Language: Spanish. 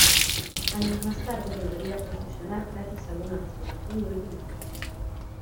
Años más tarde volvería a procesionar gracias a alguna restauración de última hora.